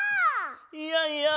いやいや。